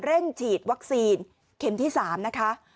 เร่งฉีดวัคซีนเข็มที่๓นะคะ